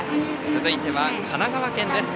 続いては神奈川県です。